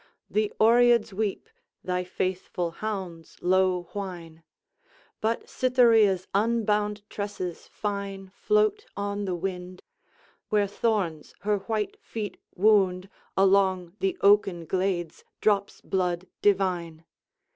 The Oreads weep; thy faithful hounds low whine; But Cytherea's unbound tresses fine Float on the wind; where thorns her white feet wound, Along the oaken glades drops blood divine.